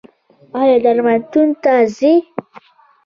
ایا درملتون ته ځئ؟